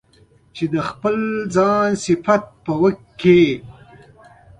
چې د خپل ځان صفت پرې وکړي.